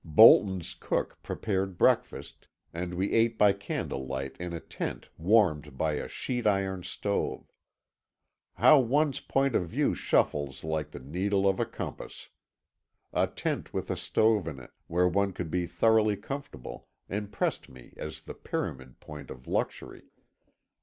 Bolton's cook prepared breakfast, and we ate by candle light in a tent warmed by a sheet iron stove. How one's point of view shuffles like the needle of a compass! A tent with a stove in it, where one could be thoroughly comfortable, impressed me as the pyramid point of luxury.